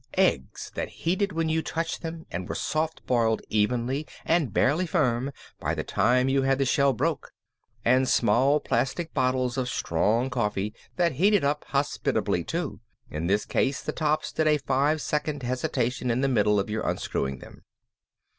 Eggs that heated when you touched them and were soft boiled evenly and barely firm by the time you had the shell broke. And small plastic bottles of strong coffee that heated up hospitably too in this case the tops did a five second hesitation in the middle of your unscrewing them.